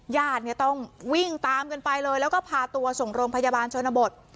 ญาติเนี่ยต้องวิ่งตามกันไปเลยแล้วก็พาตัวส่งโรงพยาบาลชนบท